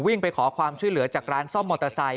ไปขอความช่วยเหลือจากร้านซ่อมมอเตอร์ไซค